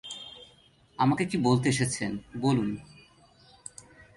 আমাকে কী বলতে এসেছেন, বলুন।